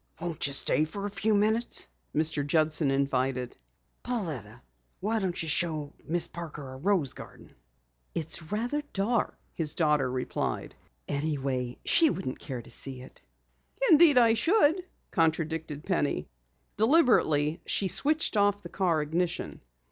"Won't you stay for a few minutes?" Mr. Judson invited. "Pauletta, why not show Miss Parker our rose garden?" "It's rather dark," his daughter replied. "Anyway, she wouldn't care to see it." "Indeed, I should," contradicted Penny. Deliberately she switched off the car ignition.